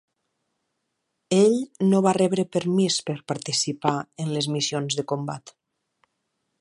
Ell no va rebre permís per participar en les missions de combat.